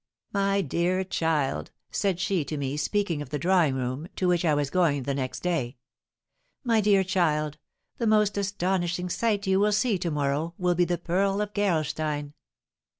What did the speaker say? "My dear child," said she to me, speaking of the drawing room, to which I was going the next day, "my dear child, the most astonishing sight you will see to morrow will be the pearl of Gerolstein."